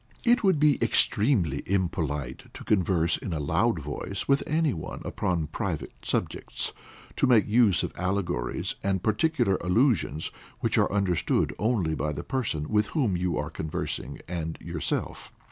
It would be extremely impolite to converse in a loud voice with any one upon private subjects, to make use of allegories and particular allusions which are understood only by the person with whom you are conversing and yourself.